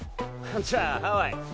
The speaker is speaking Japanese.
じゃあハワイ！